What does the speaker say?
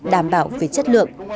đảm bảo về chất lượng